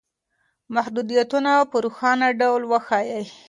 محدودیتونه په روښانه ډول وښایئ.